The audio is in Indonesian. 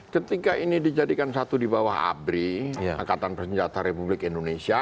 ketika ini dijadikan satu di bawah abri angkatan bersenjata republik indonesia